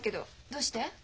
どうして？